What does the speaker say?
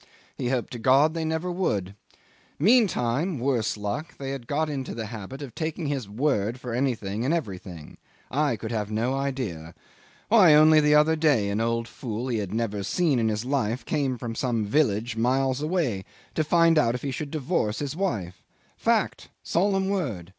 He hoped to God they never would. Meantime worse luck! they had got into the habit of taking his word for anything and everything. I could have no idea! Why, only the other day an old fool he had never seen in his life came from some village miles away to find out if he should divorce his wife. Fact. Solemn word.